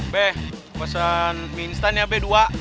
be pasan winston ya be dua